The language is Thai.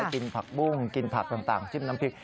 กินผักบุ้งกินผักต่างจิ้มน้ำพริก